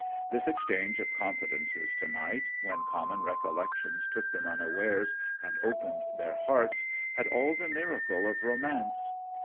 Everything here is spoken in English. This exchange of confidences to night, when common recollections took them unawares and opened their hearts, had all the miracle of romance.